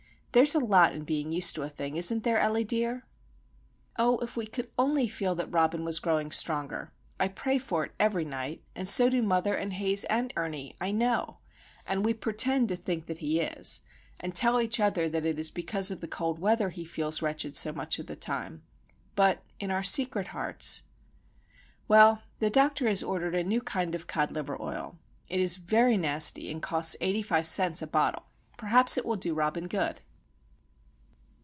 There's a lot in being used to a thing, isn't there, Ellie dear?" Oh, if we could only feel that Robin was growing stronger! I pray for it every night, and so do mother, and Haze, and Ernie, I know;—and we "pertend" to think that he is, and tell each other that it is because of the cold weather he feels wretched so much of the time:—but, in our secret hearts—— Well, the doctor has ordered a new kind of cod liver oil. It is very nasty, and costs eighty five cents a bottle. Perhaps it will do Robin good!